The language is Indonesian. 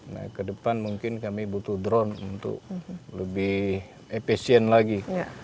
nah ke depan mungkin kami butuh drone untuk lebih efisien lagi